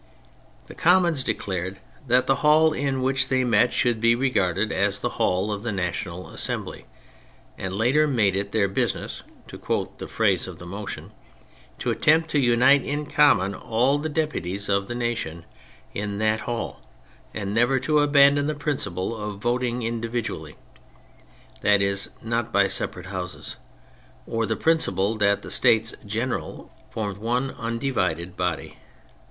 The Commons declared that the hall in which they met should be regarded as the hall of the National Assembly, and later made it their business (to quote the phrase of the motion) " to attempt to unite in common all the deputies of the nation in that hall and never to abandon the prin ciple of voting individually " (that is, not by separate Houses) " or the principle that the States General formed one undivided body."